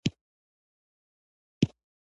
انټارکټیکا د واورو قاره ده.